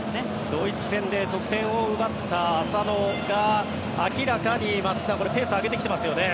ドイツ戦で得点を奪った浅野が明らかに松木さんペースを上げてきてますよね。